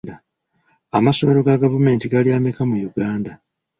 Amasomero ga gavumenti gali ameka mu Uganda?